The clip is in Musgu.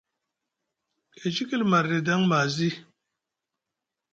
E cikili marɗi edi aŋ mazi.